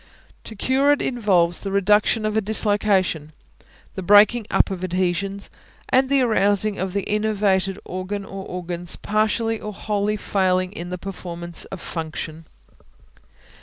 To cure it involves the reduction of a dislocation; the breaking up of adhesions, and the arousing of the enervated organ or organs partially or wholly failing in the performance of function.